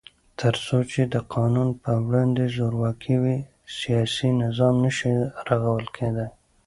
تر څو چې د قانون په وړاندې زورواکي وي، سیاسي نظام نشي رغول کېدای.